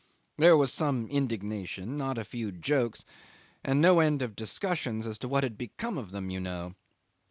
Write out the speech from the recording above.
There was some indignation, not a few jokes, and no end of discussions as to what had become of them, you know.